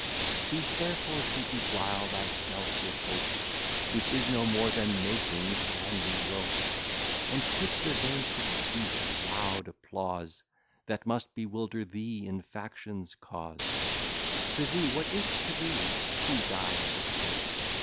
Cease, therefore, to beguile thyself with hopes, Which is no more than making sandy ropes, And quit the vain pursuit of loud applause, That must bewilder thee in faction's cause. Pr'ythee what is't to thee who guides the state?